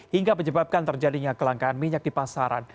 hingga menyebabkan terjadinya kelangkaan minyak di pasaran